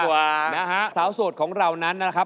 เพราะว่ารายการหาคู่ของเราเป็นรายการแรกนะครับ